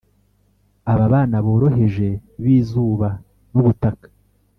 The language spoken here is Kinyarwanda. aba bana boroheje b'izuba n'ubutaka.